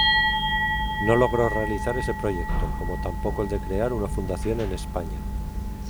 No logró realizar ese proyecto, como tampoco el de crear una fundación en España.